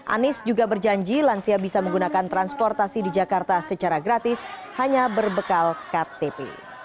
anies juga berjanji lansia bisa menggunakan transportasi di jakarta secara gratis hanya berbekal ktp